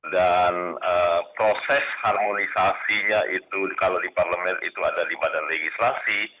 dan proses harmonisasinya itu kalau di parlemen itu ada di badan legislasi